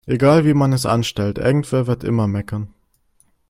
Egal wie man es anstellt, irgendwer wird immer meckern.